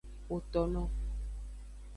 Xotono.